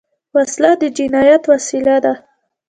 وسله د جنايت وسیله ده